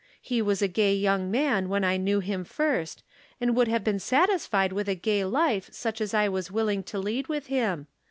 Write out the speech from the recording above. He was a gay young man when I knew him first, and would have been satisfied with a gay life such as I was willing to lead with him.